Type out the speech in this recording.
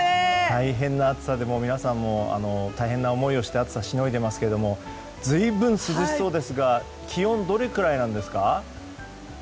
大変な暑さで皆さん、大変な思いをして暑さしのいでいますけど随分涼しそうですが気温はどれくらいなんですか？